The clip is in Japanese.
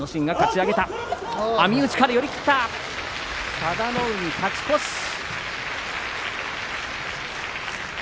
佐田の海、勝ち越しです。